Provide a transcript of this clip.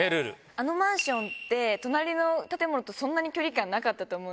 あのマンション隣の建物とそんなに距離なかったと思う。